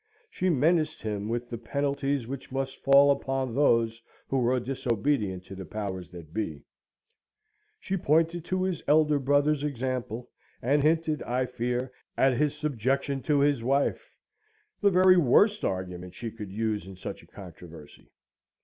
She menaced him with the penalties which must fall upon those who were disobedient to the powers that be. She pointed to his elder brother's example; and hinted, I fear, at his subjection to his wife, the very worst argument she could use in such a controversy.